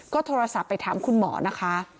ก็โทรศัพท์ไปถามคุณหมอนะคะ